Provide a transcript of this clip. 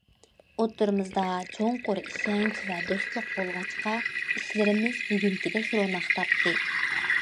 ئوتتۇرىمىزدا چوڭقۇر ئىشەنچ ۋە دوستلۇق بولغاچقا، ئىشلىرىمىز بۈگۈنكىدەك روناق تاپتى.